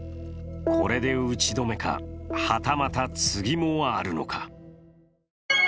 これで打ち止めかはたまた次もあるのか？